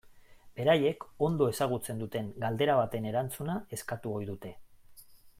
Beraiek ondo ezagutzen duten galdera baten erantzuna eskatu ohi dute.